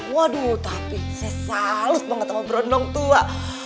waduh tapi saya salus banget sama berondong tua